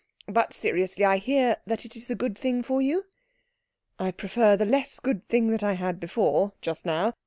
But seriously, I hear that it is a good thing for you." "I prefer the less good thing that I had before, just now.